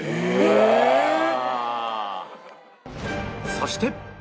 そして